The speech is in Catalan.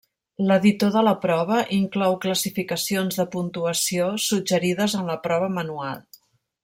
L'editor de la prova inclou classificacions de puntuació suggerides en la prova manual.